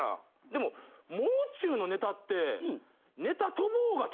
でももう中のネタって。